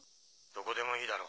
どこでもいいだろ。